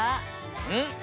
うん！